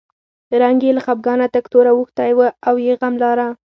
رنګ یې له خپګانه تک تور اوښتی و او یې غم لاره.